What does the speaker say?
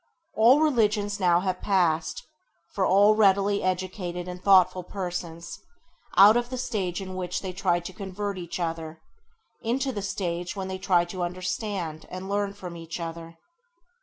[Page 6] All religions now have passed, for all really educated and thoughtful persons, out of the stage in which they tried to convert each other into the stage when they try to understand and learn from each other.